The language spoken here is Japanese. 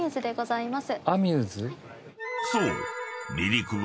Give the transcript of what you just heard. ［そう］